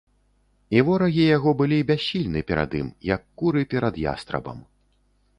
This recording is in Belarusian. І ворагі яго былі бяссільны перад ім, як куры перад ястрабам.